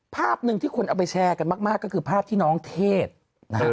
ภาพหนึ่งที่คนเอาไปแชร์กันมากก็คือภาพที่น้องเทศนะฮะ